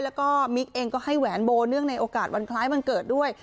แล้วก็มิ๊กเองก็ให้แหวนโบเนื่องในโอกาสวันคล้ายวันเกิดด้วย